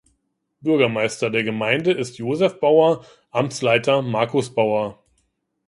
Bürgermeister der Gemeinde ist Josef Bauer, Amtsleiter Markus Bauer.